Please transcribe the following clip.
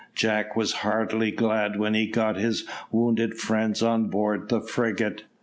Jack was heartily glad when he got his wounded friends on board the frigate.